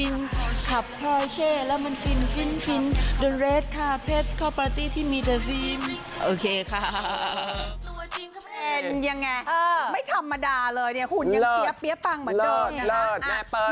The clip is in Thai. เป็นยังไงไม่ธรรมดาเลยเนี่ยหุ่นยังเปี๊ยะปังเหมือนเดิมนะคะ